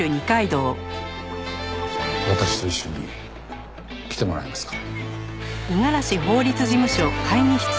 私と一緒に来てもらえますか。